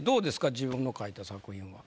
自分の描いた作品は。